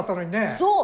そう。